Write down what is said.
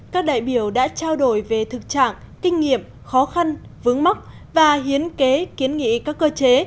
các đại biểu đã trao đổi về thực trạng kinh nghiệm khó khăn vướng mắc và hiến kế kiến nghị các cơ chế